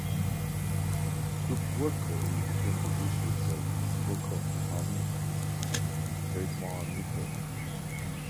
Kruppwerke is between the districts of Bochum-Hamme and Weitmar-Mitte.